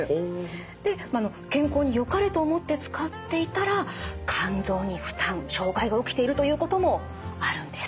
で健康によかれと思って使っていたら肝臓に負担障害が起きているということもあるんです。